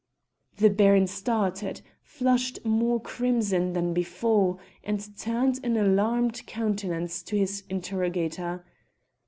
The Baron started, flushed more crimson than before, and turned an alarmed countenance to his interrogator.